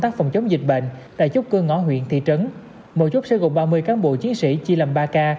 tại chốt cơ ngõ huyện thị trấn một chốt sẽ gồm ba mươi cán bộ chiến sĩ chi làm ba ca